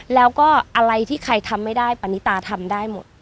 แล้วก็อะไรที่ใครทำไม่ได้ปณิตาทำได้หมด